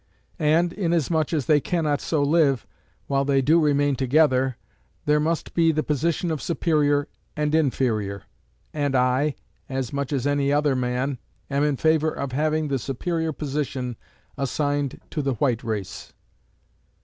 And, inasmuch as they cannot so live, while they do remain together, there must be the position of superior and inferior; and I, as much as any other man, am in favor of having the superior position assigned to the white race.